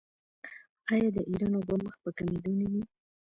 آیا د ایران اوبه مخ په کمیدو نه دي؟